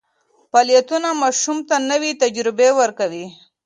فعالیتونه ماشوم ته نوې تجربې ورکوي.